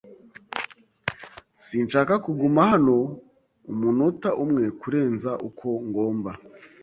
Sinshaka kuguma hano umunota umwe kurenza uko ngomba.